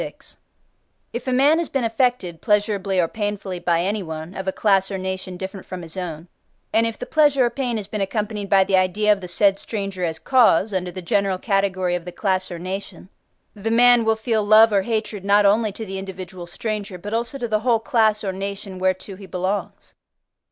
XLVI. If a man has been affected pleasurably or painfully by anyone, of a class or nation different from his own, and if the pleasure or pain has been accompanied by the idea of the said stranger as cause, under the general category of the class or nation: the man will feel love or hatred, not only to the individual stranger, but also to the whole class or nation whereto he belongs.